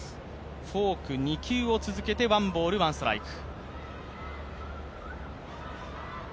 フォーク２球を続けてワンボール、ワンストライク。